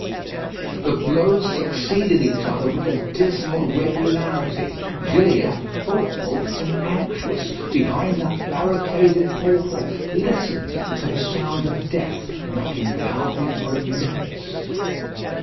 The blows succeeded each other with a dismal regularity. Gilliatt, thoughtful and anxious, behind that barricaded portal, listened to the sound of death knocking loudly for admittance.